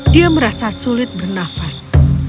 dia merasa sulit bernafas